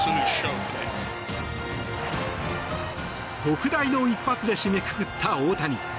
特大の一発で締めくくった大谷。